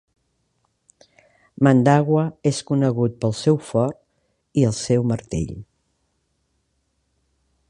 Mandawa és conegut pel seu fort i el seu martell.